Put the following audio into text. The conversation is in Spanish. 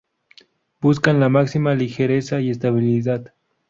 Buscan la máxima ligereza y estabilidad.